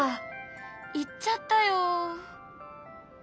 行っちゃったよ。